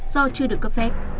do chưa được cấp phép